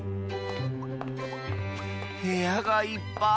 へやがいっぱい！